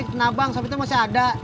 kena bank sampe itu masih ada